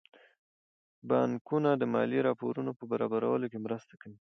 بانکونه د مالي راپورونو په برابرولو کې مرسته کوي.